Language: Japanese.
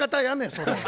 それ。